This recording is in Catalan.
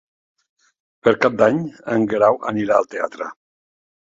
Per Cap d'Any en Guerau anirà al teatre.